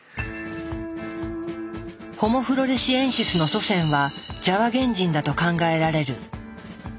ホモ・フロレシエンシスの祖先はジャワ原人だと考えられる。